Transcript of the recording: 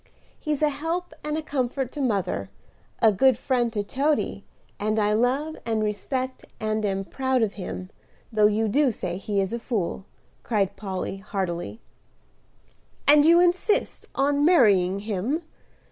He's a help and comfort to mother, a good friend to Toady, and I love and respect and am proud of him, though you do say he is a fool," cried Polly heartily. "And you insist on marrying him?"